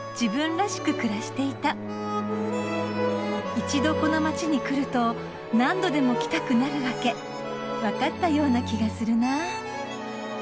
一度この街に来ると何度でも来たくなるわけ分かったような気がするな。